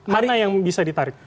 mana yang bisa ditarik